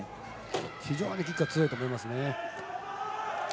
非常にキックが強いと思いますね。